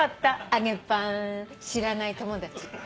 揚げパン知らない友達。